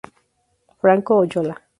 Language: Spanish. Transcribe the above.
Franco Oyola.